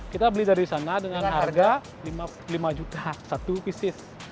kita beli dari sana dengan harga lima juta satu pieces